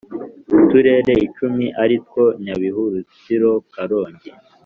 uturere icumi aritwo Nyabihu Rutsiro Karongi